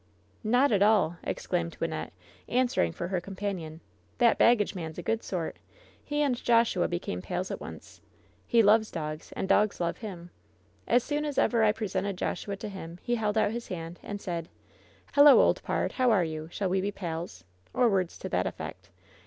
"Not at all !" exclaimed Wynnette, answering for her companion. "That baggage man's a good sort. He and LOVE'S BITTEREST CUP 176 Joshua became pals at once. He loves dogs> and dogs love him. As soon as ever I presented Joshua to him he held out his hand, and said :" ^Hello, old pard ! how are you ? Shall we be pals V or words to that effect.